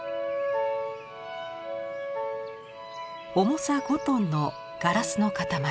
重さ５トンのガラスの塊。